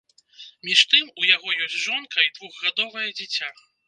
Між тым, у яго ёсць жонка і двухгадовае дзіця.